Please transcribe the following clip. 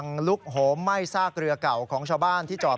นี่แหละครับคุณผู้ชม